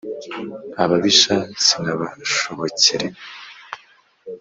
Ababisha sinabashobokere